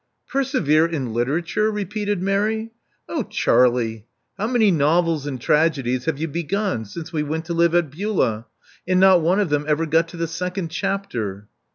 Persevere in literature!" repeated Mary. Oh, Charlie ! How many novels and tragedies have you begun since we went to live at Beulah? and not one of them ever got to the second chapter."